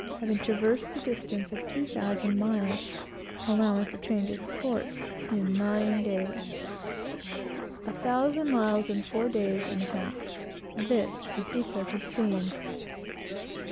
having traversed the distance of two thousand miles, allowing for changes of course, in nine days. A thousand miles in four days and a half! This is equal to steam.